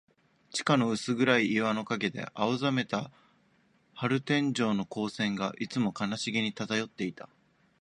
地下の薄暗い岩の影で、青ざめた玻璃天井の光線が、いつも悲しげに漂っていた。